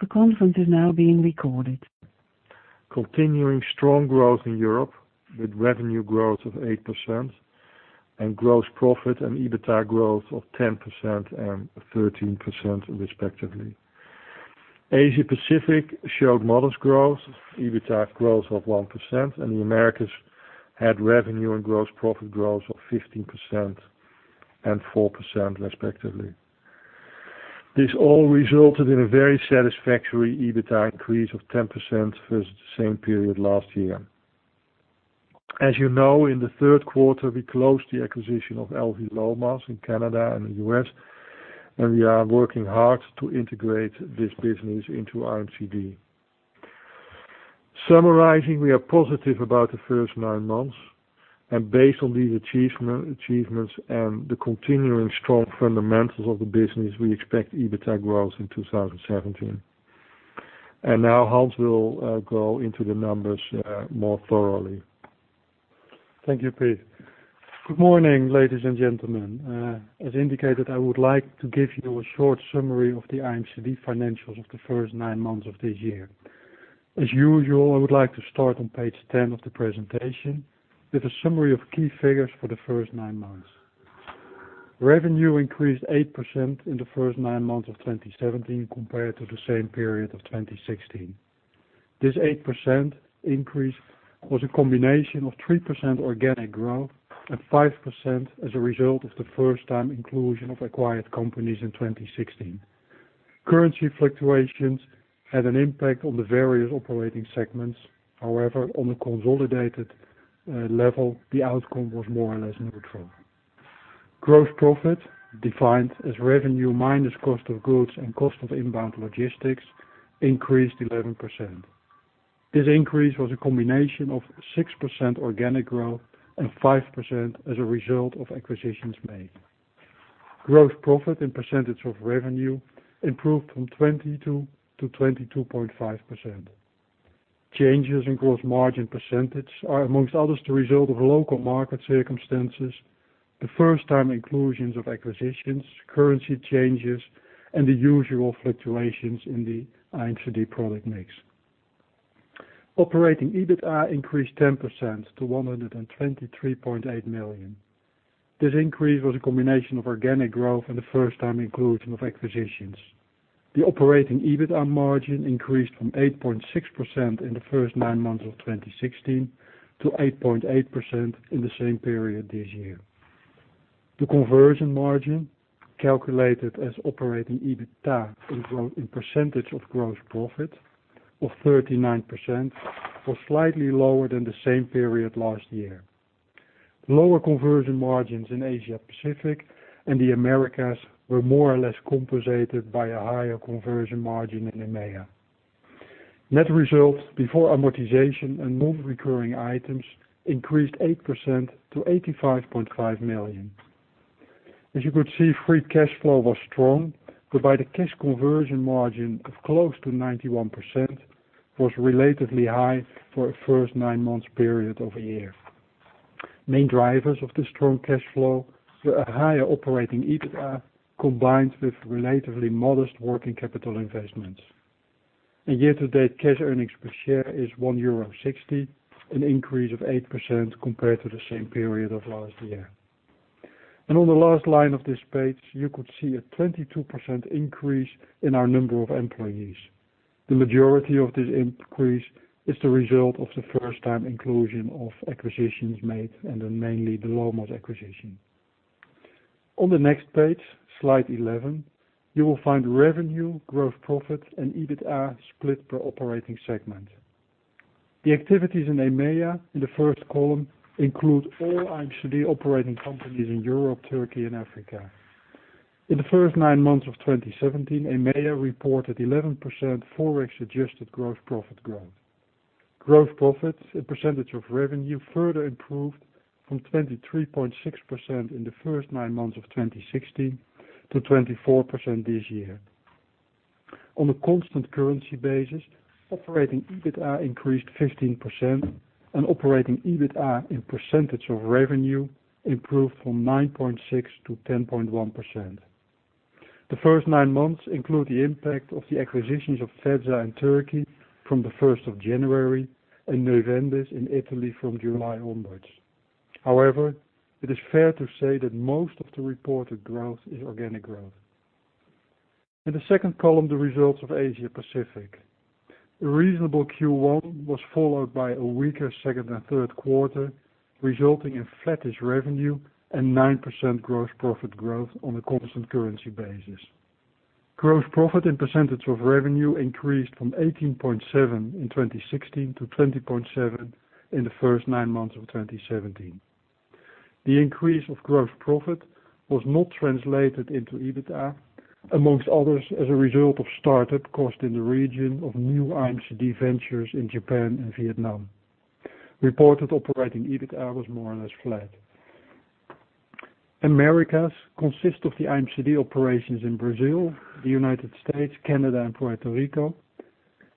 The conference is now being recorded. Continuing strong growth in Europe with revenue growth of 8% and gross profit and EBITDA growth of 10% and 13% respectively. Asia Pacific showed modest growth, EBITDA growth of 1%, and the Americas had revenue and gross profit growth of 15% and 4% respectively. This all resulted in a very satisfactory EBITDA increase of 10% versus the same period last year. As you know, in the third quarter, we closed the acquisition of L.V. Lomas in Canada and the U.S., and we are working hard to integrate this business into IMCD. Summarizing, we are positive about the first nine months, and based on these achievements and the continuing strong fundamentals of the business, we expect EBITDA growth in 2017. Now Hans will go into the numbers more thoroughly. Thank you, Piet. Good morning, ladies and gentlemen. As indicated, I would like to give you a short summary of the IMCD financials of the first nine months of this year. As usual, I would like to start on page 10 of the presentation with a summary of key figures for the first nine months. Revenue increased 8% in the first nine months of 2017 compared to the same period of 2016. This 8% increase was a combination of 3% organic growth and 5% as a result of the first-time inclusion of acquired companies in 2016. Currency fluctuations had an impact on the various operating segments. However, on a consolidated level, the outcome was more or less neutral. Gross profit, defined as revenue minus cost of goods and cost of inbound logistics, increased 11%. This increase was a combination of 6% organic growth and 5% as a result of acquisitions made. Gross profit and percentage of revenue improved from 22% to 22.5%. Changes in gross margin percentage are, amongst others, the result of local market circumstances, the first-time inclusions of acquisitions, currency changes, and the usual fluctuations in the IMCD product mix. Operating EBITDA increased 10% to 123.8 million. This increase was a combination of organic growth and the first-time inclusion of acquisitions. The operating EBITDA margin increased from 8.6% in the first nine months of 2016 to 8.8% in the same period this year. The conversion margin, calculated as operating EBITDA in percentage of gross profit of 39%, was slightly lower than the same period last year. Lower conversion margins in Asia Pacific and the Americas were more or less compensated by a higher conversion margin in EMEA. Net results before amortization and non-recurring items increased 8% to 85.5 million. As you could see, free cash flow was strong, whereby the cash conversion ratio of close to 91% was relatively high for a first nine months period of a year. Main drivers of the strong cash flow were a higher operating EBITDA combined with relatively modest working capital investments. Year-to-date cash earnings per share is 1.60 euro, an increase of 8% compared to the same period of last year. On the last line of this page, you could see a 22% increase in our number of employees. The majority of this increase is the result of the first-time inclusion of acquisitions made, then mainly the Lomas acquisition. On the next page, slide 11, you will find revenue, gross profit, and EBITDA split per operating segment. The activities in EMEA in the first column include all IMCD operating companies in Europe, Turkey, and Africa. In the first nine months of 2017, EMEA reported 11% ForEx-adjusted gross profit growth. Gross profit, a percentage of revenue, further improved from 23.6% in the first nine months of 2016 to 24% this year. On a constant currency basis, operating EBITDA increased 15%, and operating EBITDA in percentage of revenue improved from 9.6% to 10.1%. The first nine months include the impact of the acquisitions of Feza in Turkey from the 1st of January and Neuvendis in Italy from July onwards. It is fair to say that most of the reported growth is organic growth. In the second column, the results of Asia Pacific. A reasonable Q1 was followed by a weaker second and third quarter, resulting in flattish revenue and 9% gross profit growth on a constant currency basis. Gross profit and percentage of revenue increased from 18.7% in 2016 to 20.7% in the first nine months of 2017. The increase of gross profit was not translated into EBITDA, amongst others, as a result of startup cost in the region of new IMCD ventures in Japan and Vietnam. Reported operating EBITDA was more or less flat. Americas consist of the IMCD operations in Brazil, the U.S., Canada, and Puerto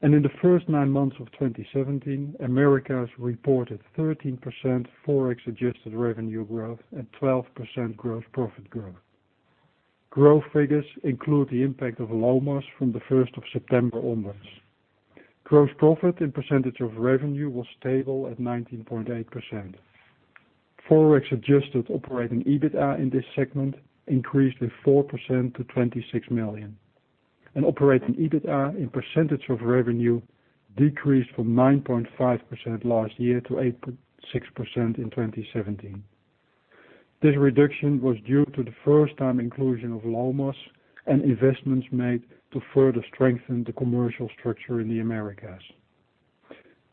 Rico. In the first nine months of 2017, Americas reported 13% ForEx-adjusted revenue growth and 12% gross profit growth. Growth figures include the impact of Lomas from the 1st of September onwards. Gross profit and percentage of revenue was stable at 19.8%. ForEx-adjusted operating EBITDA in this segment increased with 4% to $26 million. Operating EBITDA, in percentage of revenue, decreased from 9.5% last year to 8.6% in 2017. This reduction was due to the first-time inclusion of Lomas and investments made to further strengthen the commercial structure in the Americas.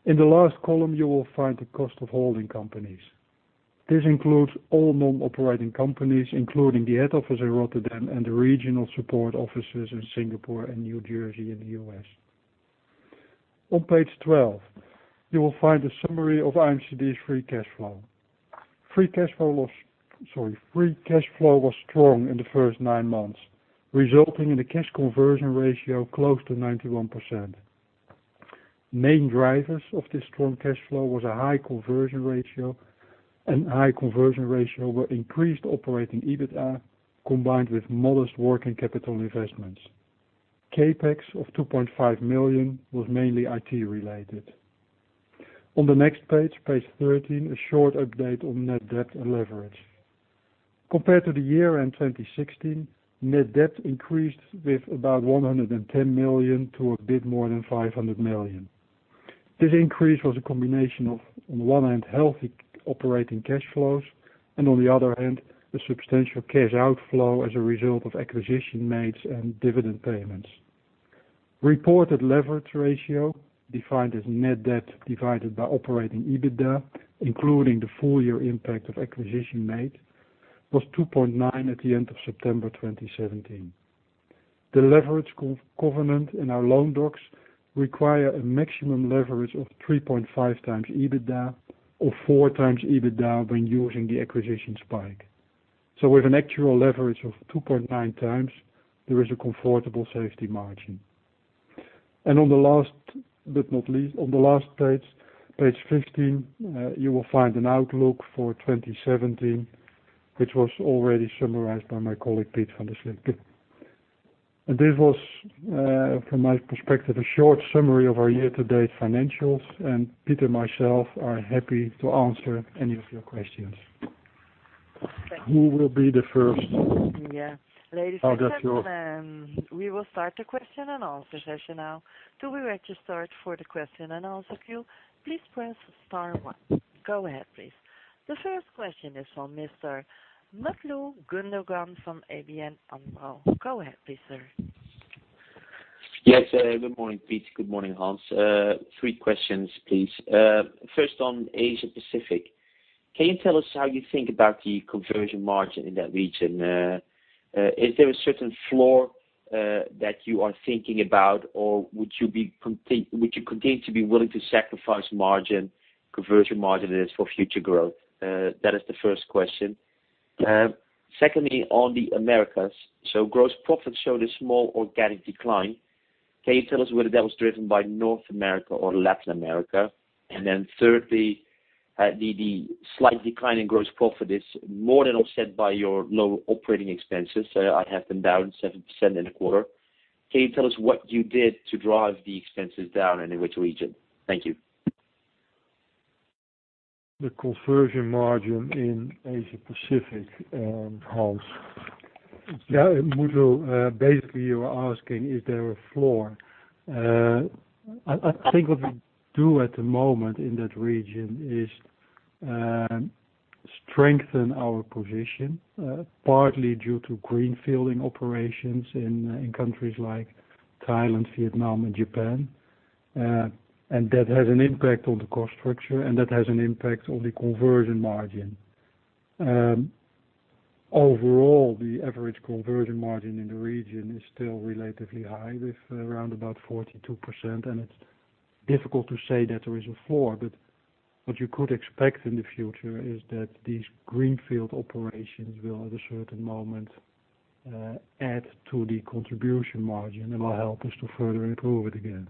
In the last column, you will find the cost of holding companies. This includes all non-operating companies, including the head office in Rotterdam and the regional support offices in Singapore and New Jersey in the U.S. On page 12, you will find a summary of IMCD's free cash flow. Free cash flow was strong in the first nine months, resulting in a cash conversion ratio close to 91%. Main drivers of this strong cash flow were a high cash conversion ratio and increased operating EBITDA, combined with modest working capital investments. CapEx of 2.5 million was mainly IT related. On the next page 13, a short update on net debt and leverage. Compared to the year-end 2016, net debt increased with about 110 million to a bit more than 500 million. This increase was a combination of, on one hand, healthy operating cash flows, and on the other hand, a substantial cash outflow as a result of acquisition made and dividend payments. Reported leverage ratio, defined as net debt divided by operating EBITDA, including the full year impact of acquisition made, was 2.9 at the end of September 2017. The leverage covenant in our loan docs require a maximum leverage of 3.5 times EBITDA, or four times EBITDA when using the acquisition spike. With an actual leverage of 2.9 times, there is a comfortable safety margin. On the last but not least, on the last page 15, you will find an outlook for 2017, which was already summarized by my colleague, Piet van der Slikke. This was, from my perspective, a short summary of our year-to-date financials, and Piet and myself are happy to answer any of your questions. Thank you. Who will be the first? Yeah. I'll get you- Ladies and gentlemen, we will start the question and answer session now. To register for the question and answer queue, please press star one. Go ahead, please. The first question is from Mr. Mutlu Gundogan from ABN AMRO. Go ahead, please, sir. Yes. Good morning, Piet. Good morning, Hans. Three questions, please. First, on Asia Pacific, can you tell us how you think about the conversion margin in that region? Is there a certain floor that you are thinking about, or would you continue to be willing to sacrifice conversion margin for future growth? That is the first question. Secondly, on the Americas, gross profits showed a small organic decline. Can you tell us whether that was driven by North America or Latin America? Thirdly, the slight decline in gross profit is more than offset by your low operating expenses. I have them down 7% in a quarter. Can you tell us what you did to drive the expenses down and in which region? Thank you. The conversion margin in Asia Pacific, Hans. Yeah, Mutlu, basically, you are asking is there a floor. I think what we do at the moment in that region is strengthen our position, partly due to greenfielding operations in countries like Thailand, Vietnam and Japan. That has an impact on the cost structure and that has an impact on the conversion margin. Overall, the average conversion margin in the region is still relatively high, with around about 42%, it's difficult to say that there is a floor, but what you could expect in the future is that these greenfield operations will at a certain moment add to the contribution margin and will help us to further improve it again.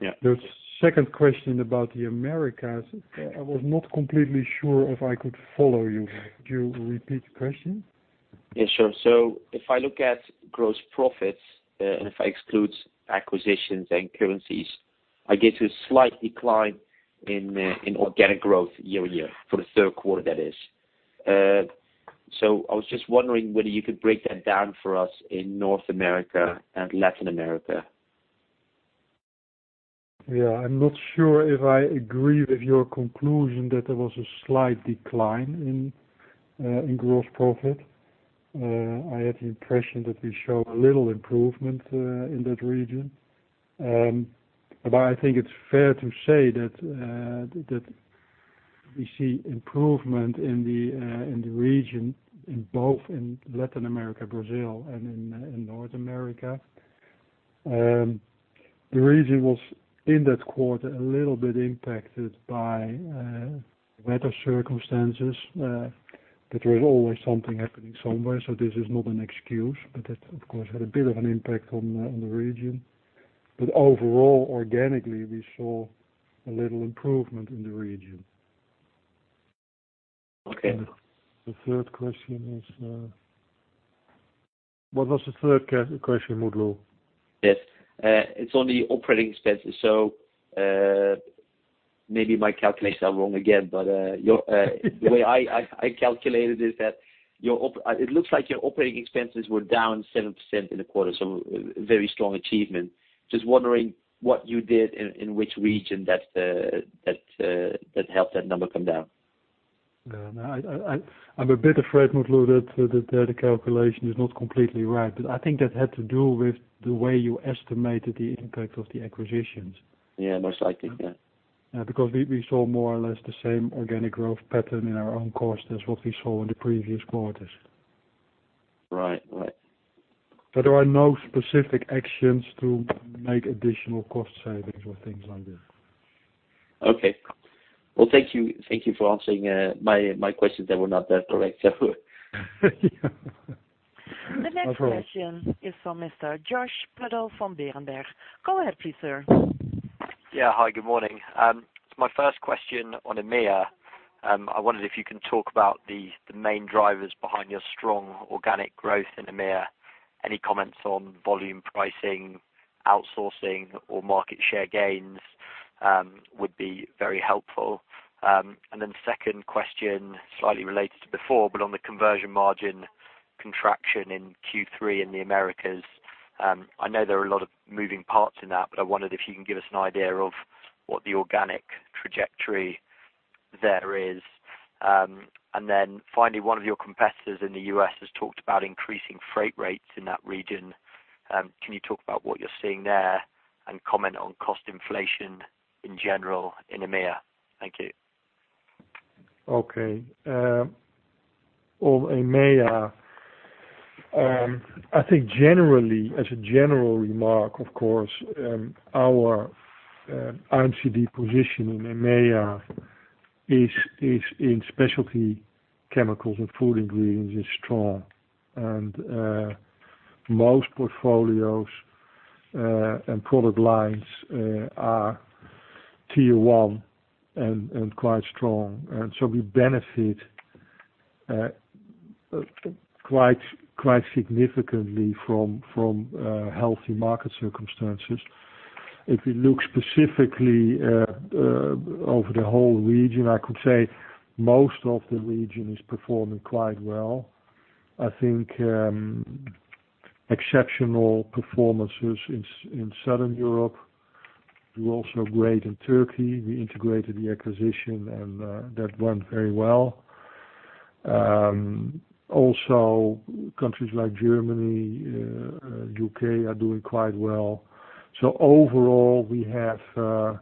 Yeah. The second question about the Americas, I was not completely sure if I could follow you. Could you repeat the question? Yeah, sure. If I look at gross profits, if I exclude acquisitions and currencies, I get a slight decline in organic growth year-over-year, for the third quarter that is. I was just wondering whether you could break that down for us in North America and Latin America. Yeah. I'm not sure if I agree with your conclusion that there was a slight decline in gross profit. I had the impression that we show a little improvement in that region. I think it's fair to say that we see improvement in the region, both in Latin America, Brazil and in North America. The region was, in that quarter, a little bit impacted by weather circumstances. There is always something happening somewhere, so this is not an excuse, but that, of course, had a bit of an impact on the region. Overall, organically, we saw a little improvement in the region. Okay. The third question is? What was the third question, Mutlu? Yes. It's on the operating expenses. Maybe my calculations are wrong again, but the way I calculated is that it looks like your operating expenses were down 7% in the quarter. Very strong achievement. Just wondering what you did in which region that helped that number come down. No. I'm a bit afraid, Mutlu, that the calculation is not completely right. I think that had to do with the way you estimated the impact of the acquisitions. Yeah. Most likely, yeah. Yeah. We saw more or less the same organic growth pattern in our own cost as what we saw in the previous quarters. Right. There are no specific actions to make additional cost savings or things like that. Okay. Well, thank you for answering my questions that were not that correct. No problem. The next question is from Mr. Josh Priddle from Berenberg. Go ahead please, sir. Yeah. Hi, good morning. My first question on EMEA. I wondered if you can talk about the main drivers behind your strong organic growth in EMEA. Any comments on volume pricing, outsourcing, or market share gains would be very helpful. Second question, slightly related to before, but on the conversion margin contraction in Q3 in the Americas. I know there are a lot of moving parts in that, but I wondered if you can give us an idea of what the organic trajectory there is. Finally, one of your competitors in the U.S. has talked about increasing freight rates in that region. Can you talk about what you're seeing there and comment on cost inflation in general in EMEA? Thank you. Okay. On EMEA, I think generally, as a general remark, of course, our IMCD position in EMEA in specialty chemicals and food ingredients is strong. Most portfolios, and product lines, are tier 1 and quite strong. We benefit quite significantly from healthy market circumstances. If you look specifically over the whole region, I could say most of the region is performing quite well. I think exceptional performances in Southern Europe. Do also great in Turkey. We integrated the acquisition and that went very well. Also countries like Germany, U.K. are doing quite well. Overall, we have a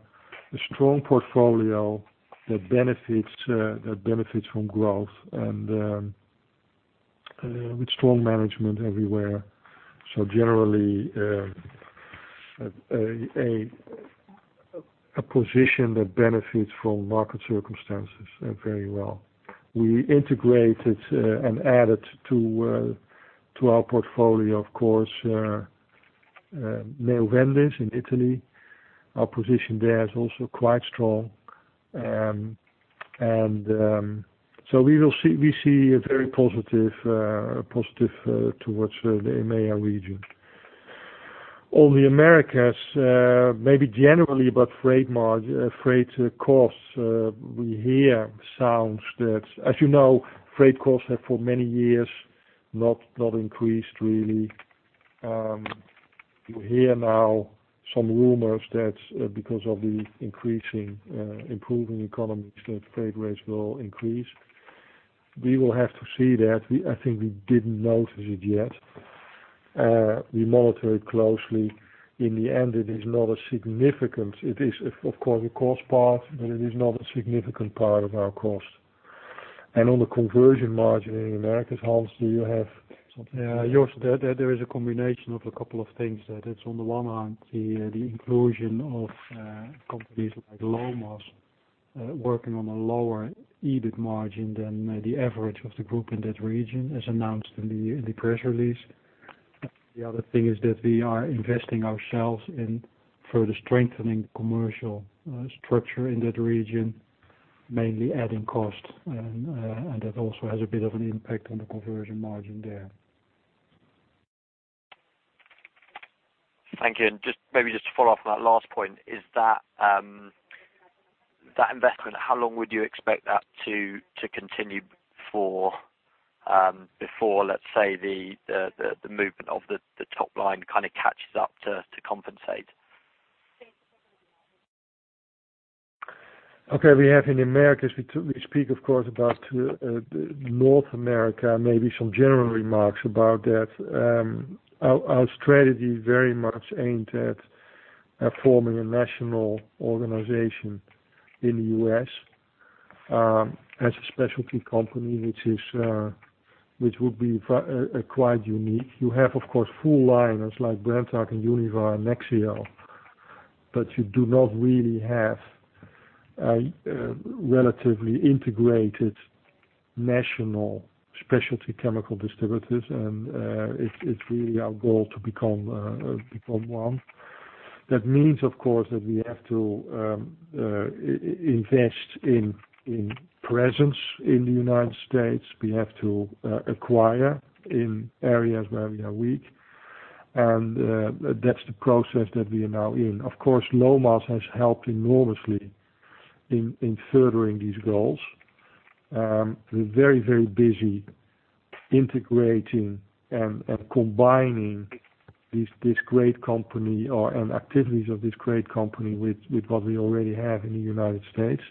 strong portfolio that benefits from growth and with strong management everywhere. Generally, a position that benefits from market circumstances very well. We integrated and added to our portfolio, of course, Neuvendis in Italy. Our position there is also quite strong. We see a very positive towards the EMEA region. On the Americas, maybe generally about freight costs, we hear sounds as you know, freight costs have for many years not increased really. We hear now some rumors that because of the improving economies, that freight rates will increase. We will have to see that. I think we didn't notice it yet. We monitor it closely. In the end, it is, of course, a cost part, but it is not a significant part of our cost. On the conversion margin in the Americas, Hans, do you have something? Josh, there is a combination of a couple of things. It's on the one hand, the inclusion of companies like Lomas, working on a lower EBIT margin than the average of the group in that region, as announced in the press release. The other thing is that we are investing ourselves in further strengthening the commercial structure in that region, mainly adding cost. That also has a bit of an impact on the conversion margin there. Thank you. Maybe just to follow up on that last point, is that investment, how long would you expect that to continue before, let's say, the movement of the top line kind of catches up to compensate? Okay. We have in the Americas, we speak of course about North America, maybe some general remarks about that. Our strategy very much aimed at forming a national organization in the U.S., as a specialty company, which would be quite unique. You have, of course, full liners like Brenntag and Univar and Nexeo. You do not really have a relatively integrated national specialty chemical distributors, and it's really our goal to become one. That means, of course, that we have to invest in presence in the United States. We have to acquire in areas where we are weak. That's the process that we are now in. Of course, Lomas has helped enormously in furthering these goals. We're very busy integrating and combining these activities of this great company with what we already have in the United States.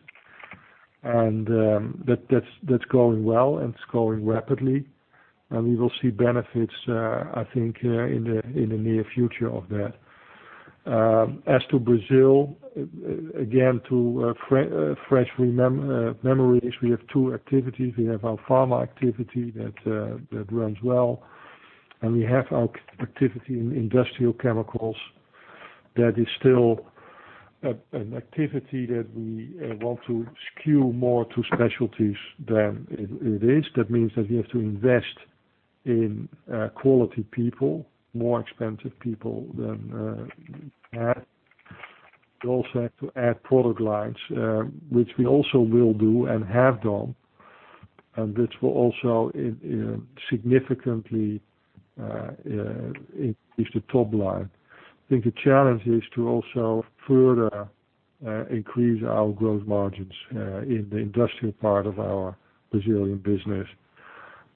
That's going well and it's growing rapidly. We will see benefits, I think, in the near future of that. As to Brazil, again, to fresh memories, we have two activities. We have our pharma activity that runs well, and we have our activity in industrial chemicals that is still an activity that we want to skew more to specialties than it is. That means that we have to invest in quality people, more expensive people than we had. We also have to add product lines, which we also will do and have done. This will also significantly increase the top line. I think the challenge is to also further increase our growth margins in the industrial part of our Brazilian business.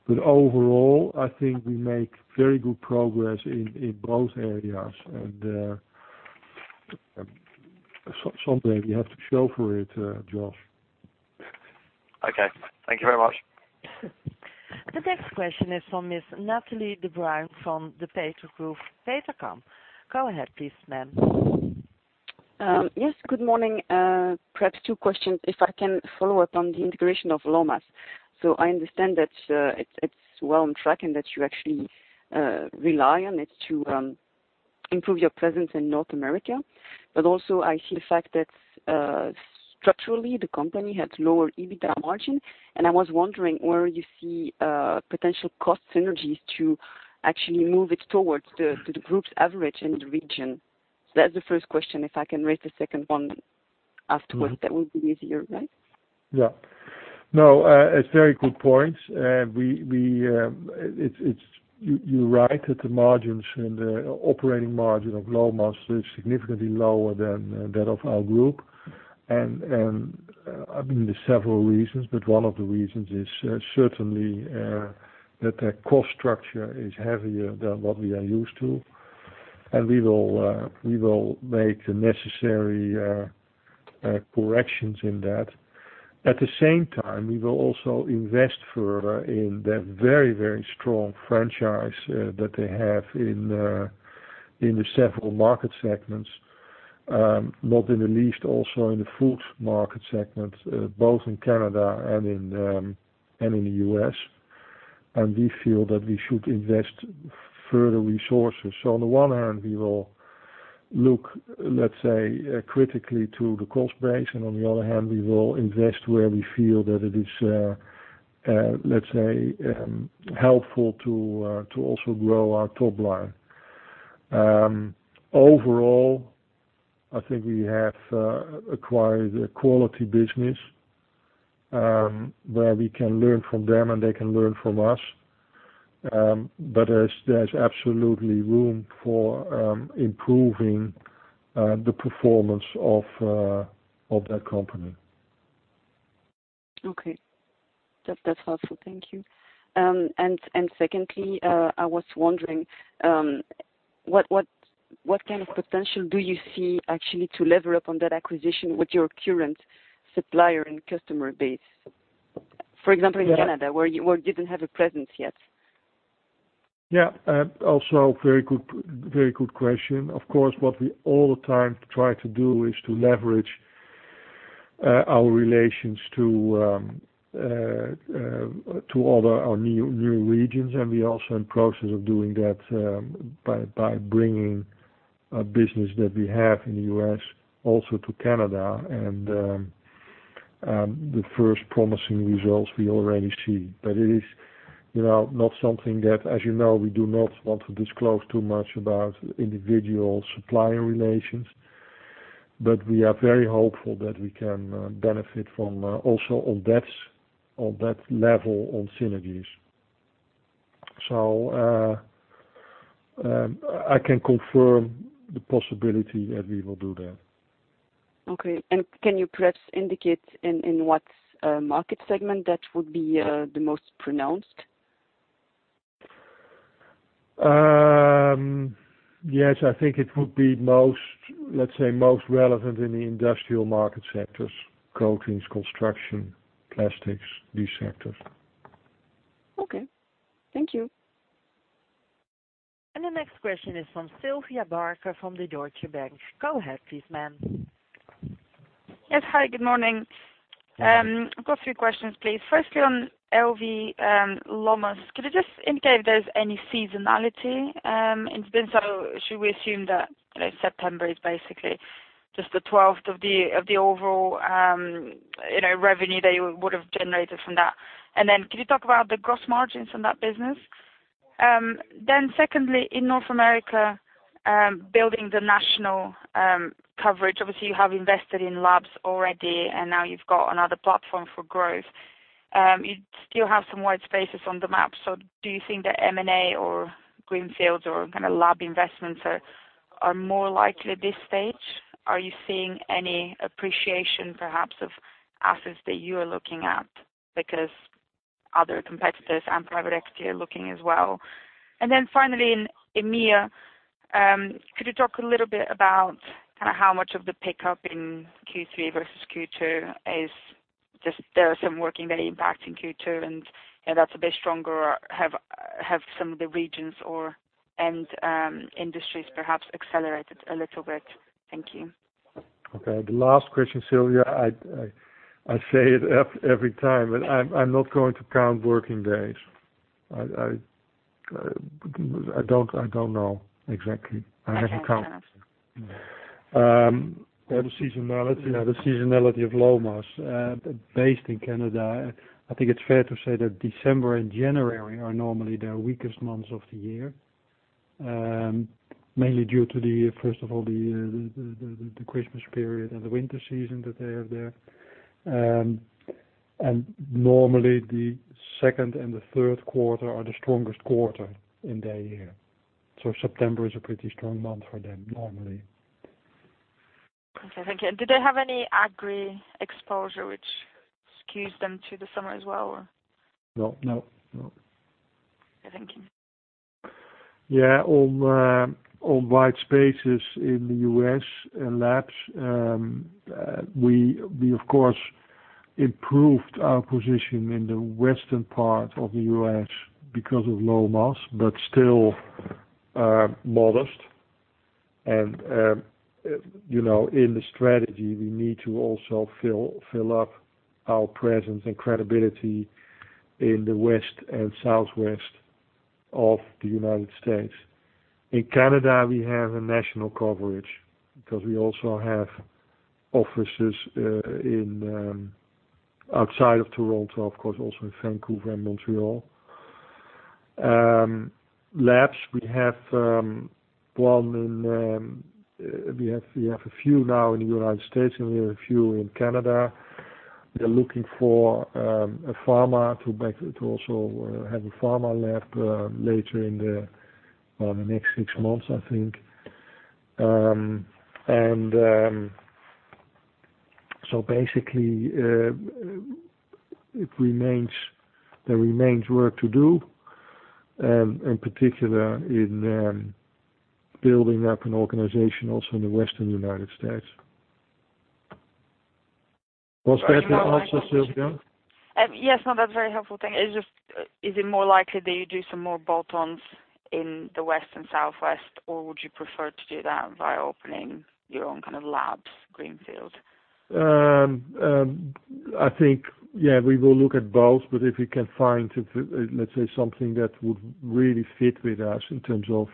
Overall, I think we make very good progress in both areas, and someday we have to show for it, Josh. Okay. Thank you very much. The next question is from Ms. Nathalie Debruyne from the Degroof Petercam. Go ahead please, ma'am. Yes, good morning. Perhaps two questions, if I can follow up on the integration of Lomas. I understand that it's well on track and that you actually rely on it to improve your presence in North America. Also I see the fact that structurally the company had lower EBITDA margin, and I was wondering where you see potential cost synergies to actually move it towards the group's average in the region. That's the first question. If I can raise a second one afterwards, that would be easier, right? Yeah. No, it's a very good point. You're right, that the margins and the operating margin of Lomas is significantly lower than that of our group. There are several reasons, but one of the reasons is certainly that their cost structure is heavier than what we are used to. We will make the necessary corrections in that. At the same time, we will also invest further in that very strong franchise that they have in the several market segments. Not in the least, also in the foods market segment, both in Canada and in the U.S. We feel that we should invest further resources. On the one hand, we will look, let's say, critically to the cost base, and on the other hand, we will invest where we feel that it is, let's say, helpful to also grow our top line. Overall, I think we have acquired a quality business, where we can learn from them and they can learn from us. There's absolutely room for improving the performance of that company. Okay. That's helpful. Thank you. Secondly, I was wondering, what kind of potential do you see actually to lever up on that acquisition with your current supplier and customer base? For example, in Canada, where you didn't have a presence yet. Yeah. Also very good question. Of course, what we all the time try to do is to leverage our relations to all our new regions, and we are also in process of doing that by bringing a business that we have in the U.S. also to Canada. The first promising results we already see. It is not something that, as you know, we do not want to disclose too much about individual supplier relations. We are very hopeful that we can benefit from also on that level on synergies. I can confirm the possibility that we will do that. Okay. Can you perhaps indicate in what market segment that would be the most pronounced? Yes, I think it would be most relevant in the industrial market sectors. Coatings, Construction, Plastics, these sectors. Okay. Thank you. The next question is from Sylvia Barker from the Deutsche Bank. Go ahead please, ma'am. Yes. Hi, good morning. I've got a few questions, please. Firstly, on L.V. Lomas, could you just indicate if there's any seasonality it's been? Should we assume that September is basically just the 12th of the overall revenue that you would've generated from that? Can you talk about the gross margins on that business? Secondly, in North America, building the national coverage, obviously you have invested in labs already, and now you've got another platform for growth. You still have some white spaces on the map. Do you think that M&A or greenfields or lab investments are more likely at this stage? Are you seeing any appreciation perhaps of assets that you are looking at because other competitors and private equity are looking as well? Finally in EMEA, could you talk a little bit about how much of the pickup in Q3 versus Q2 is just, there are some working day impact in Q2 and that's a bit stronger, have some of the regions and industries perhaps accelerated a little bit? Thank you. Okay. The last question, Sylvia, I say it every time, but I'm not going to count working days. I don't know exactly. I haven't count. Okay, fair enough. On seasonality. The seasonality of Lomas, based in Canada, I think it's fair to say that December and January are normally their weakest months of the year. Mainly due to, first of all, the Christmas period and the winter season that they have there. Normally the second and the third quarter are the strongest quarter in their year. September is a pretty strong month for them normally. Okay, thank you. Do they have any agri exposure which skews them to the summer as well, or? No. Okay, thank you. Yeah. On white spaces in the U.S. labs. We of course improved our position in the western part of the U.S. because of Lomas, but still are modest. In the strategy, we need to also fill up our presence and credibility in the west and southwest of the United States. In Canada, we have a national coverage because we also have offices outside of Toronto, of course, also in Vancouver and Montreal. Labs, we have a few now in the United States, and we have a few in Canada. We are looking for a pharma to also have a pharma lab later in the next six months, I think. Basically, there remains work to do, in particular in building up an organization also in the western United States. Was that the answer, Sylvia? Yes. No, that's very helpful. Thank you. Is it more likely that you do some more bolt-ons in the west and southwest, or would you prefer to do that via opening your own kind of labs greenfield? I think, yeah, we will look at both. If we can find, let's say something that would really fit with us in terms of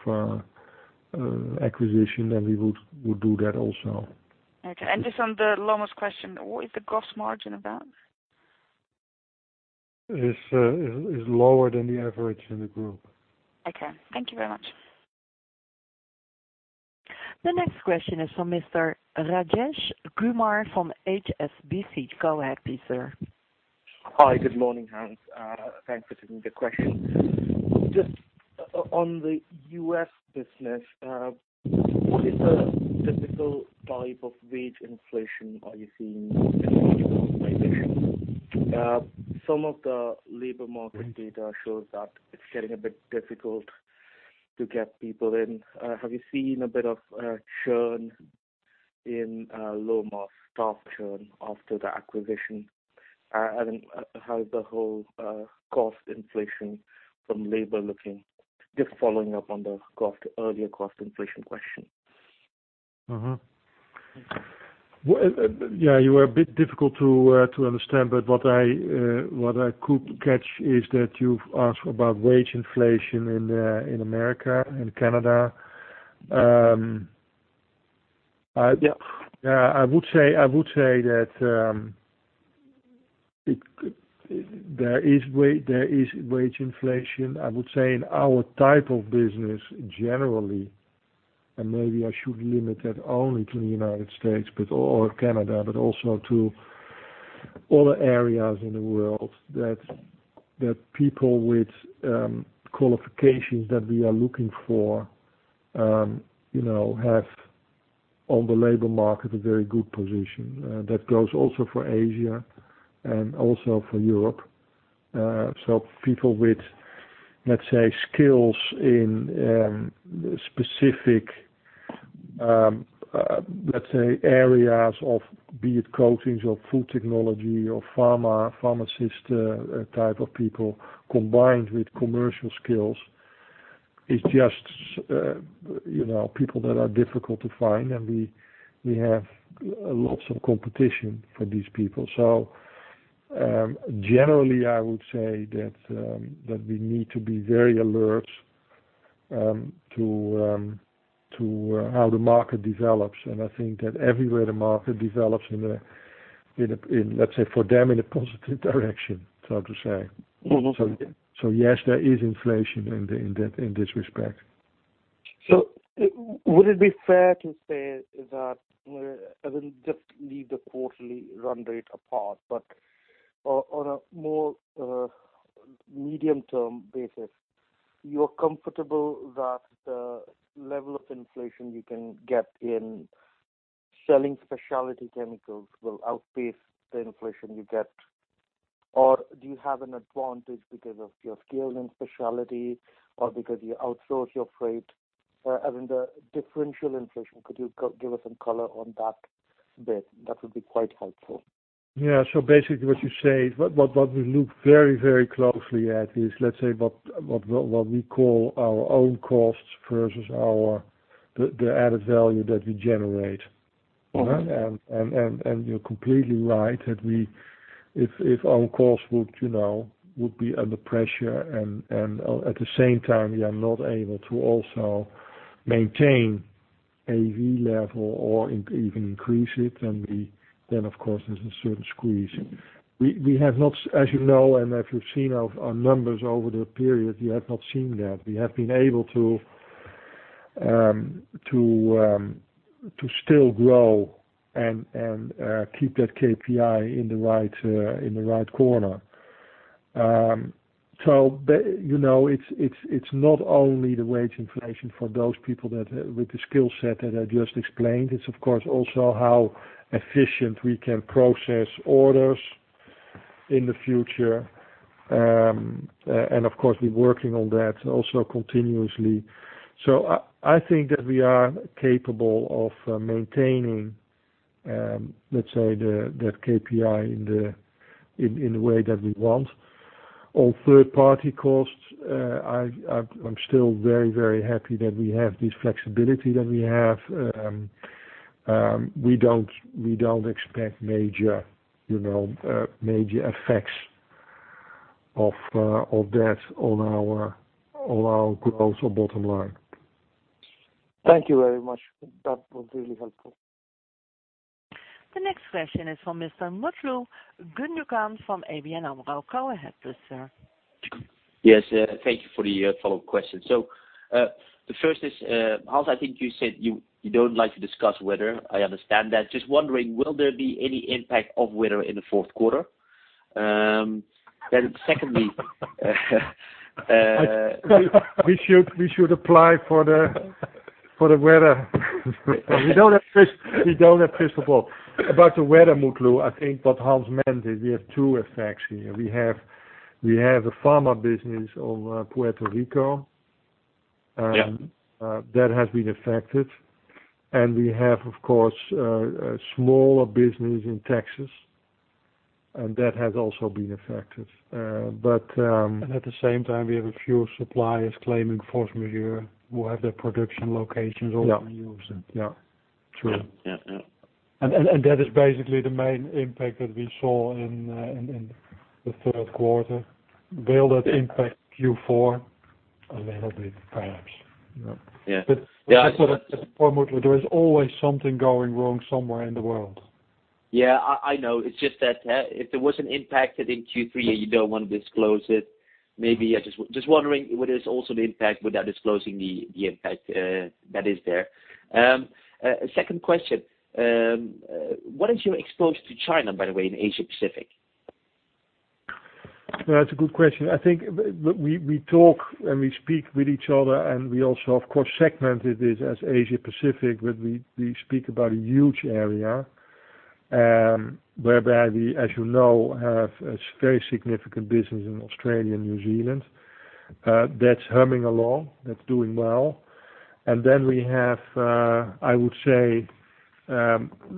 acquisition, we would do that also. Okay. Just on the Lomas question, what is the gross margin of that? It's lower than the average in the Group. Okay. Thank you very much. The next question is from Mr. Rajesh Kumar from HSBC. Go ahead, please, sir. Hi. Good morning, Hans. Thanks for taking the question. Just on the U.S. business, just what is the typical type of wage inflation are you seeing in acquisitions? Some of the labor market data shows that it's getting a bit difficult to get people in. Have you seen a bit of churn in Lomas staff churn after the acquisition? How is the whole cost inflation from labor looking? Just following up on the earlier cost inflation question. You were a bit difficult to understand. What I could catch is that you've asked about wage inflation in America and Canada. Yeah. I would say that there is wage inflation, in our type of business generally, and maybe I should limit that only to the U.S. or Canada, but also to other areas in the world that people with qualifications that we are looking for have on the labor market, a very good position. That goes also for Asia and also for Europe. People with, let's say, skills in specific, let's say, areas of, be it Coatings or food technology or pharmacist type of people combined with commercial skills. It's just people that are difficult to find, and we have lots of competition for these people. Generally, I would say that we need to be very alert to how the market develops. I think that everywhere the market develops, let's say, for them in a positive direction, so to say. Yes, there is inflation in this respect. Would it be fair to say that, I mean, just leave the quarterly run rate apart, but on a more medium-term basis, you're comfortable that the level of inflation you can get in selling specialty chemicals will outpace the inflation you get? Do you have an advantage because of your scale in specialty or because you outsource your freight? I mean, the differential inflation, could you give us some color on that bit? That would be quite helpful. Yeah. Basically what you say, what we look very closely at is, let's say, what we call our own costs versus the added value that we generate. Okay. You're completely right that if our costs would be under pressure and at the same time, we are not able to also maintain AV level or even increase it, then of course there's a certain squeeze. As you know, and as you've seen our numbers over the period, you have not seen that. We have been able to still grow and keep that KPI in the right corner. It's not only the wage inflation for those people with the skill set that I just explained. Of course, we're working on that also continuously. I think that we are capable of maintaining, let's say, that KPI in the way that we want. On third-party costs, I'm still very happy that we have this flexibility that we have. We don't expect major effects of that on our growth or bottom line. Thank you very much. That was really helpful. The next question is from Mr. Mutlu Gundogan from ABN AMRO. Go ahead please, sir. Thank you for the follow-up question. The first is, Hans, I think you said you don't like to discuss weather. I understand that. Just wondering, will there be any impact of weather in the fourth quarter? Secondly, We should apply for the weather. We don't have crystal ball. About the weather, Mutlu, I think what Hans meant is we have two effects here. We have a pharma business over Puerto Rico. Yeah. That has been affected. We have, of course, a smaller business in Texas, that has also been affected. At the same time, we have a few suppliers claiming force majeure who have their production locations also used. Yeah. True. Yeah. That is basically the main impact that we saw in the third quarter. Will that impact Q4? A little bit, perhaps. Yeah. Also, Mutlu, there is always something going wrong somewhere in the world. Yeah, I know. It's just that, if there was an impact that in Q3 and you don't want to disclose it, maybe just wondering what is also the impact without disclosing the impact that is there. Second question. What is your exposure to China, by the way, in Asia Pacific? That's a good question. I think we talk and we speak with each other, we also, of course, segmented it as Asia Pacific, but we speak about a huge area, whereby we, as you know, have a very significant business in Australia and New Zealand. That's humming along. That's doing well. Then we have, I would say,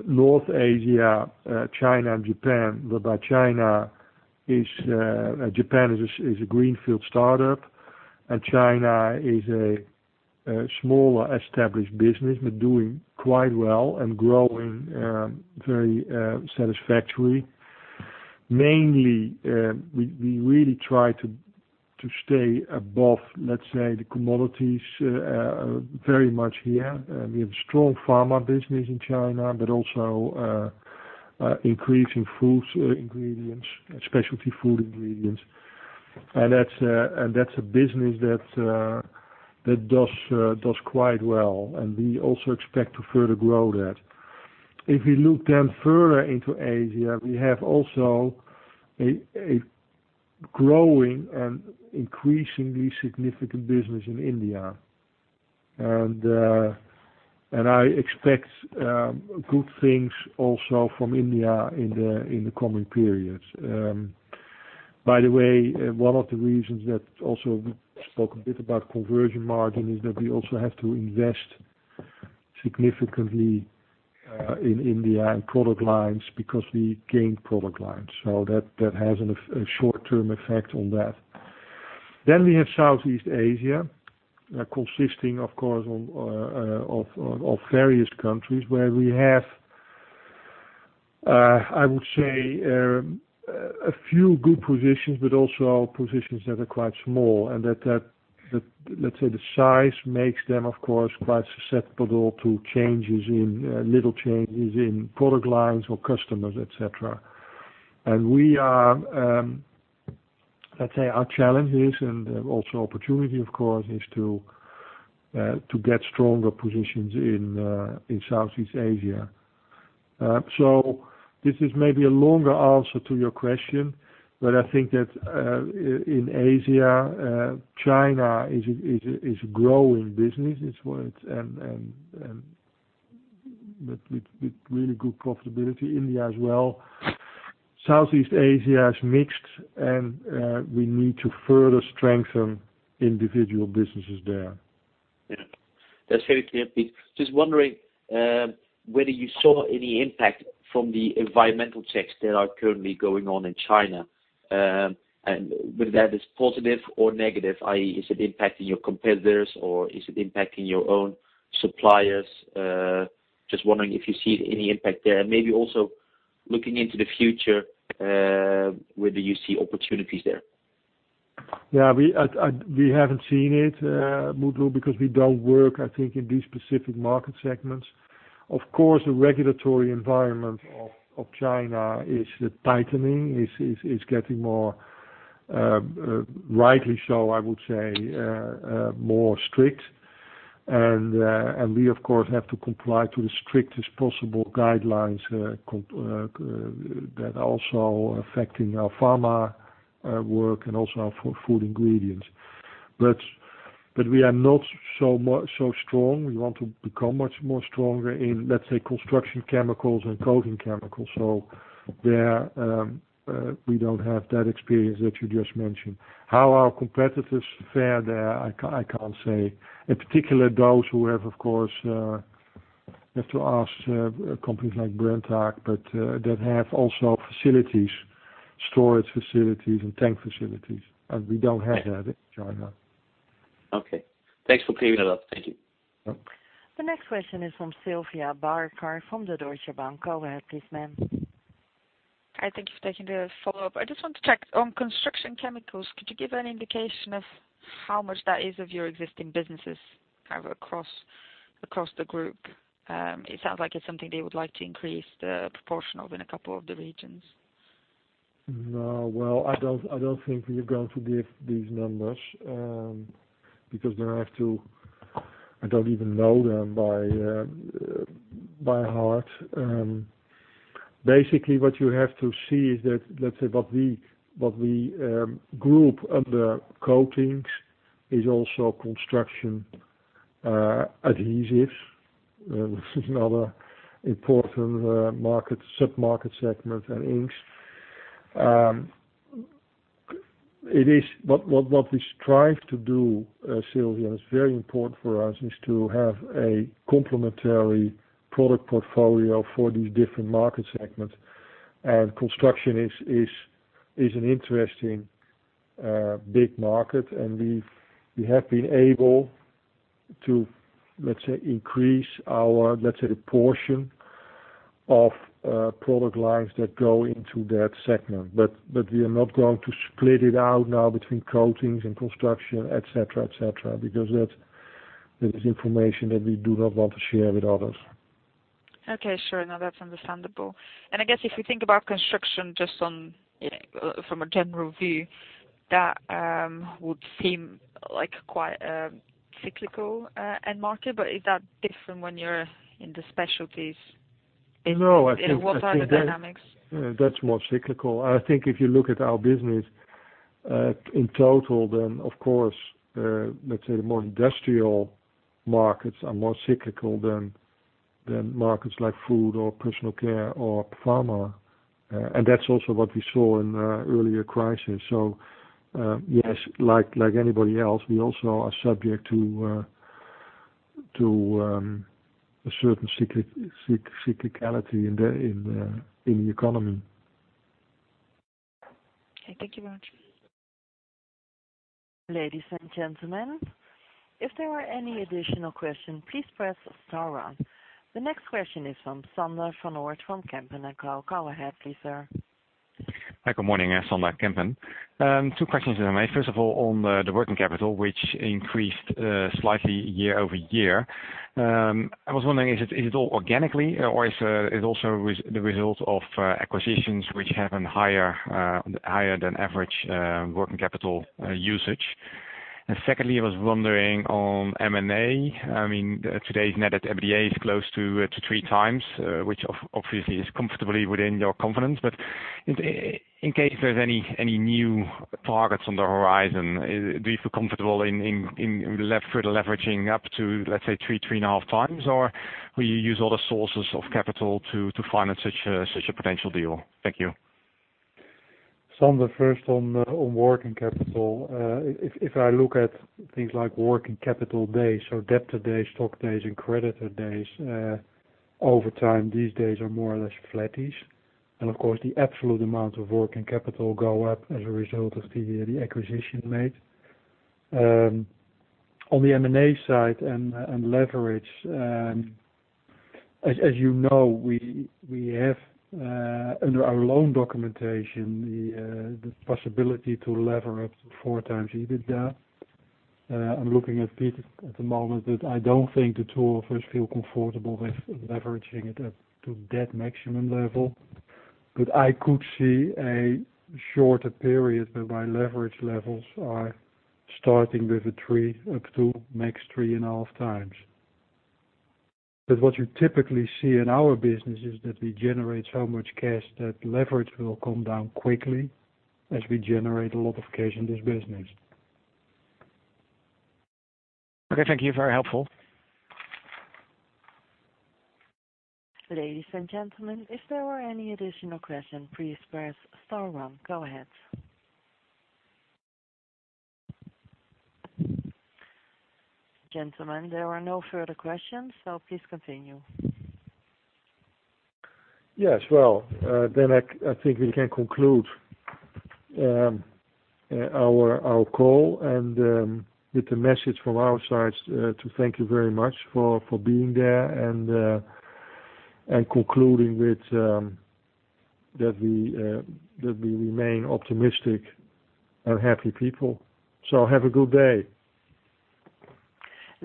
North Asia, China, and Japan. Whereby Japan is a greenfield startup, and China is a smaller established business, but doing quite well and growing very satisfactorily. Mainly, we really try to stay above, let's say, the commodities very much here. We have a strong Pharmaceuticals business in China, but also increasing food ingredients and specialty food ingredients. That's a business that does quite well, and we also expect to further grow that. If you look further into Asia, we have also a growing and increasingly significant business in India. I expect good things also from India in the coming periods. By the way, one of the reasons that also we spoke a bit about conversion margin is that we also have to invest significantly in India and product lines because we gained product lines. That has a short-term effect on that. We have Southeast Asia, consisting of course of various countries where we have, I would say, a few good positions, but also positions that are quite small and let's say the size makes them, of course, quite susceptible to little changes in product lines or customers, et cetera. Let's say our challenge is, and also opportunity of course, is to get stronger positions in Southeast Asia. This is maybe a longer answer to your question, but I think that in Asia, China is growing business, and with really good profitability. India as well. Southeast Asia is mixed, and we need to further strengthen individual businesses there. That's very clear, Piet. Just wondering whether you saw any impact from the environmental checks that are currently going on in China, and whether that is positive or negative, i.e., is it impacting your competitors or is it impacting your own suppliers? Just wondering if you see any impact there. Maybe also looking into the future, whether you see opportunities there. Yeah. We haven't seen it, Mutlu, because we don't work, I think, in these specific market segments. Of course, the regulatory environment of China is tightening. It's getting more, rightly so, I would say, more strict. We, of course, have to comply to the strictest possible guidelines that are also affecting our Pharmaceuticals work and also our food ingredients. We are not so strong. We want to become much more stronger in, let's say, construction chemicals and coating chemicals. There, we don't have that experience that you just mentioned. How our competitors fare there, I can't say. In particular, those who have, of course You have to ask companies like Brenntag, but that have also facilities, storage facilities, and tank facilities, and we don't have that in China. Okay. Thanks for clearing that up. Thank you. Welcome. The next question is from Sylvia Barker from the Deutsche Bank. Go ahead, please, ma'am. Hi. Thank you for taking the follow-up. I just want to check, on construction chemicals, could you give an indication of how much that is of your existing businesses, kind of across the group? It sounds like it's something that you would like to increase the proportion of in a couple of the regions. No. Well, I don't think we're going to give these numbers, because I don't even know them by heart. Basically, what you have to see is that, let's say what we group under Coatings is also construction adhesives. This is another important sub-market segment, and inks. What we strive to do, Sylvia, it's very important for us, is to have a complementary product portfolio for these different market segments. Construction is an interesting big market, and we have been able to, let's say, increase our, let's say, the portion of product lines that go into that segment. We are not going to split it out now between Coatings and Construction, et cetera, because that is information that we do not want to share with others. Okay. Sure. No, that's understandable. I guess if you think about Construction just from a general view, that would seem like quite a cyclical end market, but is that different when you're in the specialties? No. What are the dynamics? That's more cyclical. I think if you look at our business in total, then of course, let's say the more industrial markets are more cyclical than markets like food or personal care or pharma. That's also what we saw in the earlier crisis. Yes, like anybody else, we also are subject to a certain cyclicality in the economy. Okay. Thank you very much. Ladies and gentlemen, if there are any additional questions, please press star one. The next question is from Sander van Oort from Kempen & Co. Go ahead, please, sir. Hi. Good morning. Sander, Kempen. Two questions if I may. First of all, on the working capital, which increased slightly year-over-year. I was wondering, is it all organically or is it also the result of acquisitions which have a higher than average working capital usage? Secondly, I was wondering on M&A. Today's net debt to EBITDA is close to three times, which obviously is comfortably within your covenant. In case there's any new targets on the horizon, do you feel comfortable in further leveraging up to, let's say, three and a half times? Will you use other sources of capital to finance such a potential deal? Thank you. Sander, first on working capital. If I look at things like working capital days, so debtor days, stock days, and creditor days, over time, these days are more or less flattish. Of course, the absolute amount of working capital go up as a result of the acquisition made. On the M&A side and leverage, as you know, we have, under our loan documentation, the possibility to lever up to four times EBITDA. I'm looking at Piet at the moment, that I don't think the two of us feel comfortable with leveraging it up to that maximum level. I could see a shorter period whereby leverage levels are starting with a three up to max three and a half times. What you typically see in our business is that we generate so much cash that leverage will come down quickly as we generate a lot of cash in this business. Okay. Thank you. Very helpful. Ladies and gentlemen, if there are any additional questions, please press star one. Go ahead. Gentlemen, there are no further questions. Please continue. Yes. I think we can conclude our call and with the message from our sides to thank you very much for being there, and concluding with that we remain optimistic and happy people. Have a good day.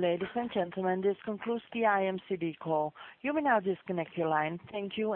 Ladies and gentlemen, this concludes the IMCD call. You may now disconnect your line. Thank you.